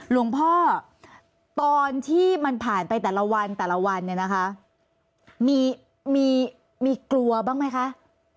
หลวงพ่อตอนที่มันผ่านไปแต่ละวันแต่ละวันเนี่ยนะคะมีมีกลัวบ้างไหมคะ